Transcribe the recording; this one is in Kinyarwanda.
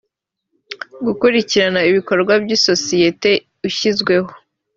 gukurikirana ibikorwa by isosiyete ushyizweho